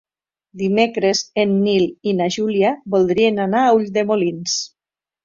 Dimecres en Nil i na Júlia voldrien anar a Ulldemolins.